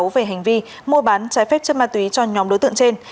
về hành vi mua bán trái phép chất ma túy cho nhóm đối tượng trên